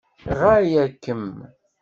Ɣaya-kem!